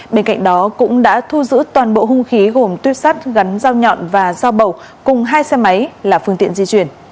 bên cạnh đó cũng đã thu giữ toàn bộ hung khí gồm tuyếp sắt gắn dao nhọn và dao bầu cùng hai xe máy là phương tiện di chuyển